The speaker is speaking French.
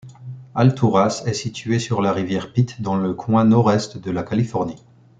Alturas est située sur la rivière Pit, dans le coin nord-est de la Californie.